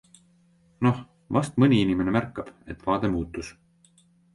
Noh, vast mõni inimene märkab, et vaade muutus.